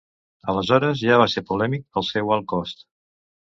Aleshores, ja va ser polèmic pel seu alt cost.